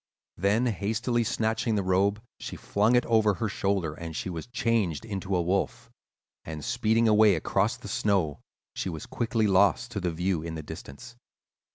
"Then hastily snatching the robe she flung it over her shoulders, and she was changed into a wolf, and, speeding away across the snow, she was quickly lost to view in the distance.